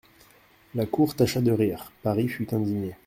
La cour tâcha de rire ; Paris fut indigné.